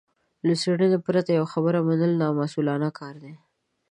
له څېړنې پرته يوه خبره منل نامسوولانه کار دی.